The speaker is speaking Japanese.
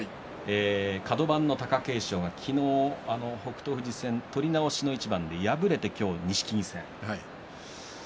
カド番の貴景勝は昨日、北勝富士戦取り直しの一番で敗れて今日錦木戦。